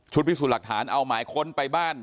พิสูจน์หลักฐานเอาหมายค้นไปบ้าน